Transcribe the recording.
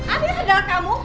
ambil sendal kamu